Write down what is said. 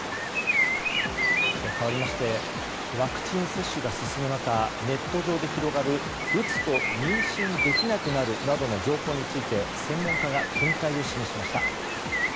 かわりましてワクチン接種が進む中ネット上で広がる打つと妊娠できなくなるなどの情報について専門家が見解を示しました。